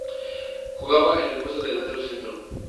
Jugaba en el puesto de delantero centro.